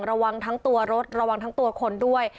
ระวังทั้งตัวรถระวังทั้งตัวคนด้วย